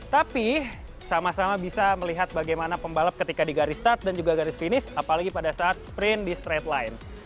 tapi sama sama bisa melihat bagaimana pembalap ketika di garis start dan juga garis finish apalagi pada saat sprint di straightline